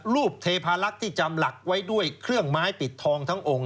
เทพาลักษณ์ที่จำหลักไว้ด้วยเครื่องไม้ปิดทองทั้งองค์